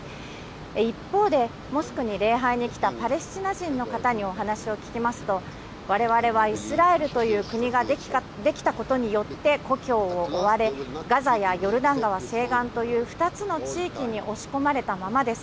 一方で、モスクに礼拝に来たパレスチナ人の方にお話を聞きますと、われわれはイスラエルという国ができたことによって故郷を追われ、ガザやヨルダン川西岸という２つの地域に押し込まれたままです。